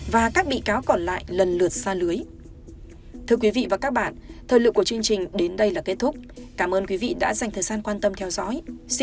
và các bị cáo còn lại lần lượt xa lưới